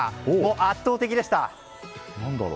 圧倒的でした。